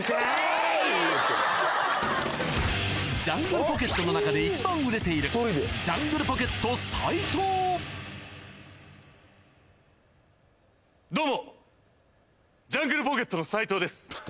ジャングルポケットの中で一番売れているどうもジャングルポケットの斉藤です